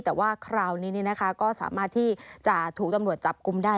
แต่ว่าคราวนี้ก็สามารถที่จะถูกตำรวจจับกลุ่มได้